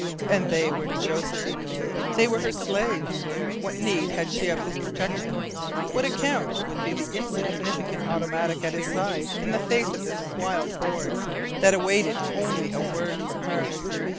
And they were Josephine's! They were her slaves! What need had she of his protection? What account would be the insignificant automatic at his side in the face of this wild horde that awaited only a word from her?